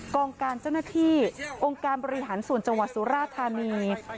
กองการเจ้าหน้าที่องค์การบริหารส่วนจังหวัดสุราธานี